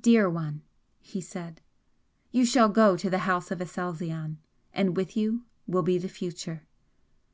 "Dear one!" he said, "You shall go to the House of Aselzion, and with you will be the future!"